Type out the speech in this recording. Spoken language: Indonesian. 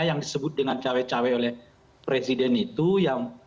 yang disebut dengan cawek cawek oleh presiden itu yang